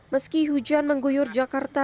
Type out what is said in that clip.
meski hujan mengguyur jakarta